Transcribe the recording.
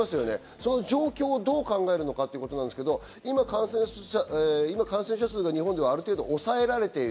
その状況をどう考えるかですけど今、感染者数が日本ではある程度抑えられている。